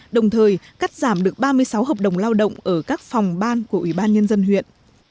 đồng thời cắt giảm được ba mươi sáu hợp đồng lao động ở các phòng ban của ủy ban nhân dân huyện